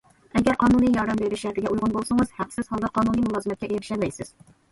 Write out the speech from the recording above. ئەگەر قانۇنىي ياردەم بېرىش شەرتىگە ئۇيغۇن بولسىڭىز، ھەقسىز ھالدا قانۇنىي مۇلازىمەتكە ئېرىشەلەيسىز.